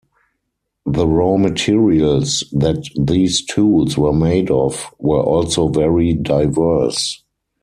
The raw materials that these tools were made of were also very diverse.